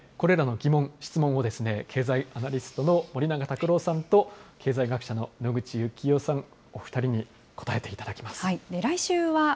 番組では来週以降、これらの疑問、質問を経済アナリストの森永卓郎さんと、経済学者の野口悠紀雄さん、お２人に答えていただきます。